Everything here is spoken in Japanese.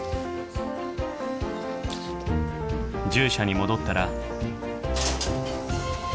獣舎に戻ったら。